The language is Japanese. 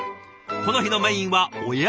この日のメインは親子丼。